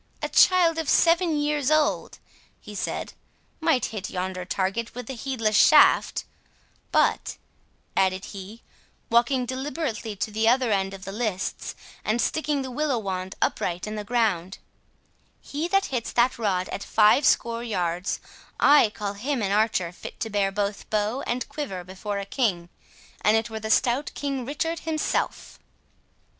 A child of seven years old," he said, "might hit yonder target with a headless shaft; but," added he, walking deliberately to the other end of the lists, and sticking the willow wand upright in the ground, "he that hits that rod at five score yards, I call him an archer fit to bear both bow and quiver before a king, an it were the stout King Richard himself."